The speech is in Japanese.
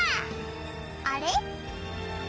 あれ？